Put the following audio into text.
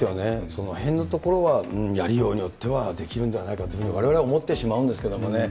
そのへんのところはやりようによってはできるんじゃないかとわれわれは思ってしまうんですけどね。